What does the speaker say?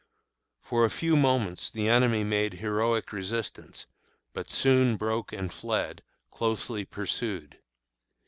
For a few moments the enemy made heroic resistance, but soon broke and fled, closely pursued.